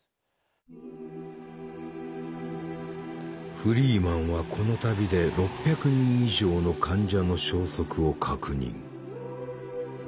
フリーマンはこの旅で６００人以上の患者の消息を確認。